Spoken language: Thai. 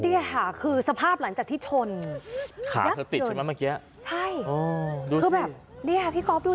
ที่หาคือสภาพหลังจากทิศชนขาเขาติดเมื่อเกียร์ใช่ก็แบบนี้พี่ก๊อฟดู